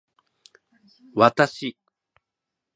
私